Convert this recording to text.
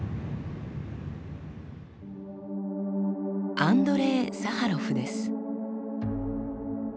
アンドレイ・サハロフです。